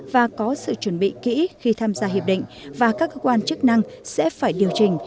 và có sự chuẩn bị kỹ khi tham gia hiệp định và các cơ quan chức năng sẽ phải điều chỉnh